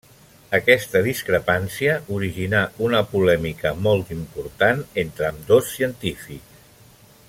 Aquesta discrepància originà una polèmica molt important entre ambdós científics.